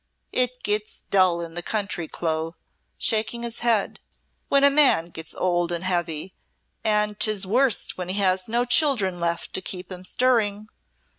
It gets dull in the country, Clo," shaking his head, "when a man gets old and heavy, and 'tis worst when he has no children left to keep him stirring.